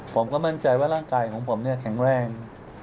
ผมก็มั่นใจว่าร่างกายของผมแข็งแรง